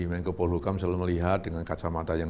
menko polhukam selalu melihat dengan kacamata yang